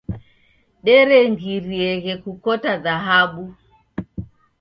Derengirieghe kukota dhahabu.